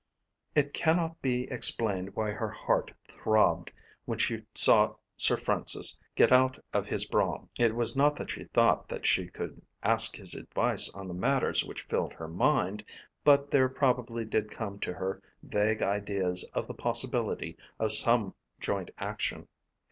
It cannot be explained why her heart throbbed when she saw Sir Francis get out of his brougham. It was not that she thought that she could ask his advice on the matters which filled her mind, but there probably did come to her vague ideas of the possibility of some joint action.